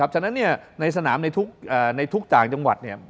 ฉะนั้นในสนามในทุกต่างจังหวัด